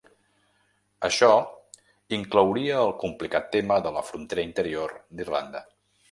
Això inclouria el complicat tema de la frontera interior d’Irlanda.